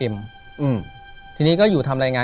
ถูกต้องไหมครับถูกต้องไหมครับ